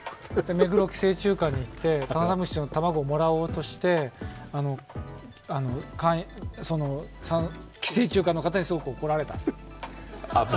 目黒寄生虫館に行ってサナダムシの寄生虫をもらおうとしてその寄生虫館の方に、すごい怒られたと。